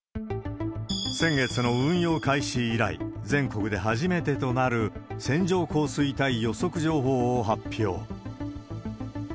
先月の運用開始以来、全国で初めてとなる線状降水帯予測情報を発表。